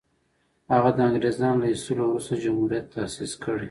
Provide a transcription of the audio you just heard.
هغه د انګرېزانو له ایستلو وروسته جمهوریت تاءسیس کړي.